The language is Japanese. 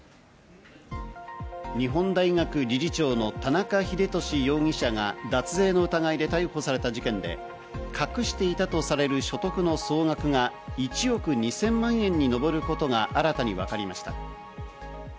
日本大学理事長の田中英壽容疑者が脱税の疑いで逮捕された事件で、隠していたとされる所得の総額が１億２０００万円に上ることが新たに分かりました。